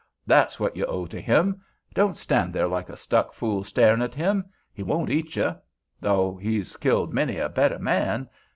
That's what you owe to him. Don't stand there like a stuck fool starin' at him. He won't eat you—though he's killed many a better man.